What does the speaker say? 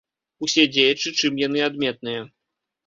Усе дзеячы, чым яны адметныя.